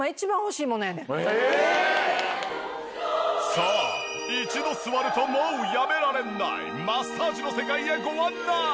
さあ一度座るともうやめられないマッサージの世界へご案内！